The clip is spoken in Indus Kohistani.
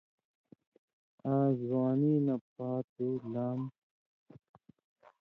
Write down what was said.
آں زوانی نہ پاتُو لام۔